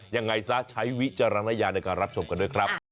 ยังไงซะใช้วิจารณญาณในการรับชมกันด้วยครับ